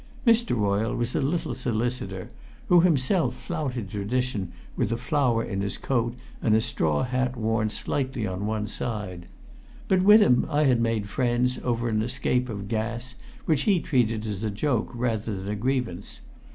Mr. Royle was a little solicitor, who himself flouted tradition with a flower in his coat and a straw hat worn slightly on one side; but with him I had made friends over an escape of gas which he treated as a joke rather than a grievance.